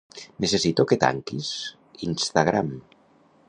Necessito que tanquis Instagram.